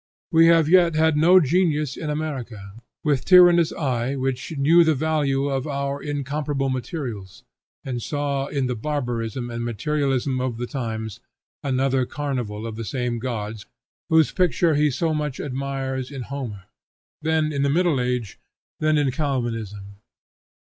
We have yet had no genius in America, with tyrannous eye, which knew the value of our incomparable materials, and saw, in the barbarism and materialism of the times, another carnival of the same gods whose picture he so much admires in Homer; then in the Middle Age; then in Calvinism.